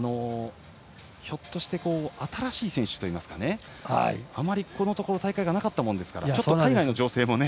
ひょっとして新しい選手といいますかあまりここのところ大会がなかったものですからちょっと海外の情勢もね。